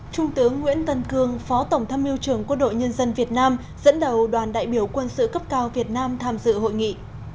trung tướng nguyễn tân cương phó tổng tham mưu trưởng quốc đội nhân dân việt nam dẫn đầu đoàn đại biểu quân sự cấp cao việt nam tham dự hội nghị